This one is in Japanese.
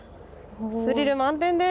スリル満点です。